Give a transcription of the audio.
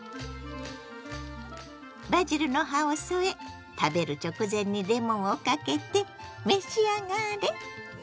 バジルの葉を添え食べる直前にレモンをかけて召し上がれ！